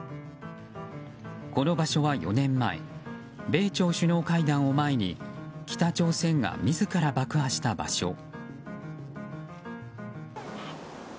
この場所は４年前米朝首脳会談を前に北朝鮮が自ら爆破した場所。